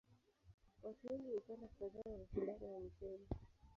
Watu wengi hupenda kutazama mashindano ya michezo.